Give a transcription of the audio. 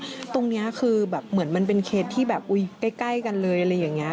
นะแล้วตรงเนี้ยคือแบบเหมือนมันเป็นเคสที่แบบอุยใกล้ใกล้กันเลยอะไรอย่างเงี้ย